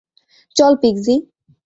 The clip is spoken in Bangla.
চল, পিক্সি।